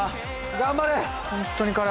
頑張れ。